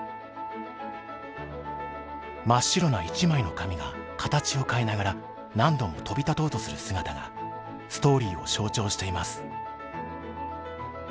真っ白な一枚の紙が形を変えながら何度も飛び立とうとする姿がストーリーを象徴しています。